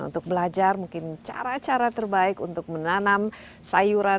untuk belajar mungkin cara cara terbaik untuk menanam sayuran